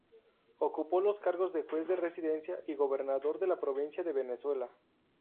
Ocupó los cargos de juez de residencia y gobernador de la provincia de Venezuela.